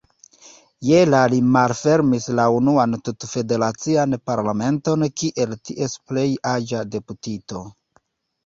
Je la li malfermis la unuan tut-federacian parlamenton kiel ties plej-aĝa deputito.